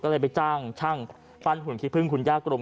ก็เลยไปจ้างช่างปั้นหุ่นขี้พึ่งคุณย่ากรม